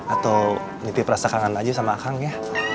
atau nitip rasa kangen aja sama kang ya